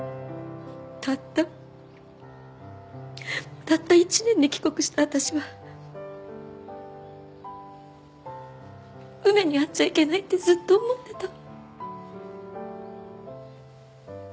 たったたった１年で帰国した私は梅に会っちゃいけないってずっと思ってた。